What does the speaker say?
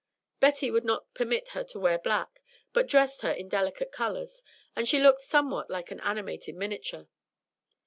Betty would not permit her to wear black, but dressed her in delicate colours, and she looked somewhat like an animated miniature.